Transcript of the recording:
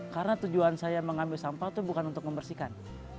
karena tujuan saya mengambil sampah itu bukan untuk membersihkan